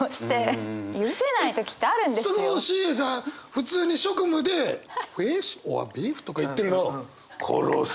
普通に職務で「フィッシュオアビーフ？」とか言ってるのを殺す！